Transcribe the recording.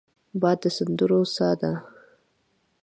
باد د سندرو سا دی